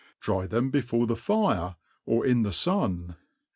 Dry them before the fire;, or in the inn.